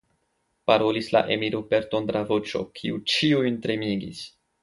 parolis la emiro per tondra voĉo, kiu ĉiujn tremigis.